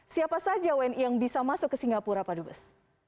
siapa saja wni yang bisa masuk ke singapura pak dubes